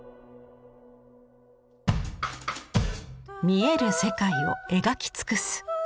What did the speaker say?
見える世界を描き尽くす。